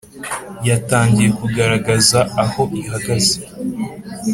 yatangiye kugaragaza aho ihagaze.